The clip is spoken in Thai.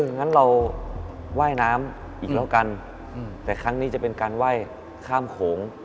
งั้นเราอีกเราไหว้น้ำแต่ครั้งนี้จะเป็นการไหว้ข้ามโถง